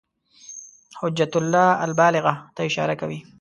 حجة الله البالغة ته اشاره کوي.